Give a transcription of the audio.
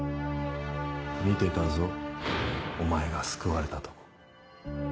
見てたぞお前が救われたとこ。